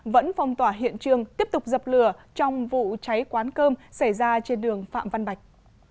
vẫn phong tỏa hiện trường tiếp tục dập lửa trong vụ cháy quán cơm xảy ra trên đường phạm văn bạch